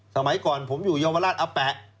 สมัยก่อนผมอยู่เยาวราชอาแปะ